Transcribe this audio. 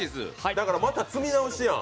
だから、また積み直しやん。